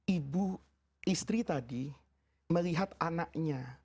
ibu istri tadi melihat anaknya